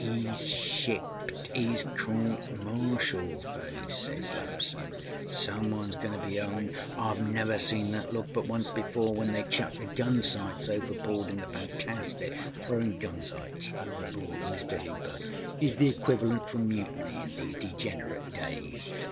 âHeâs shipped âis court martial face,â says Lamson. âSome oneâs goinâ to be âung. Iâve never seen that look but once before when they chucked the gun sights overboard in the Fantastic.â Throwinâ gun sights overboard, Mr. Hooper, is the equivalent for mutiny in these degenerate days.